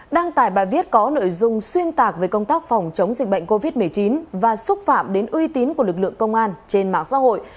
đăng tải bài viết có nội dung xuyên tạc về công tác phòng chống dịch bệnh covid một mươi chín và xúc phạm đến uy tín của lực lượng công an trên mạng xã hội